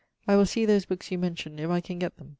I will see those bookes you mention if I can get them.